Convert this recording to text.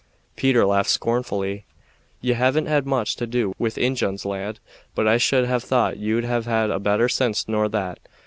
Peter laughed scornfully. "Ye haven't had much to do with Injuns, lad, but I should have thought you'd have had better sense nor that.